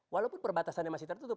walaupun perbatasan yang masih tertutup